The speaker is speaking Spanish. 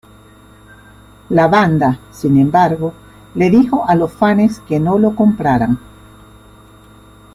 La banda, sin embargo, le dijo a los fanes que no lo compraran.